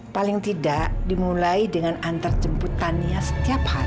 paling tidak dimulai dengan antar jemput tania setiap hari